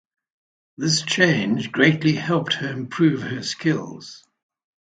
This Change greatly helped her improve her skills.